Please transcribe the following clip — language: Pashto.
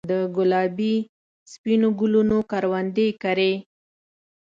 دګلابي ، سپینو ګلونو کروندې کرې